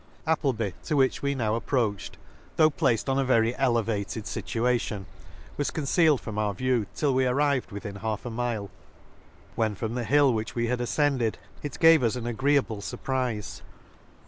Appleby, to which we now approach^ ed, though placed on a very elevated fltua tion, was concealed from our view till we arrived within half a mile ; when from the .hill which we had afcended, it gave us an agreeable fur prize.